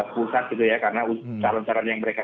pusat gitu ya karena calon calon yang mereka